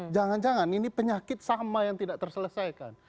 jangan jangan ini penyakit sama yang tidak terselesaikan